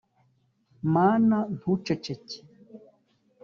mana ntuceceke,